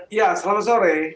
iya selamat sore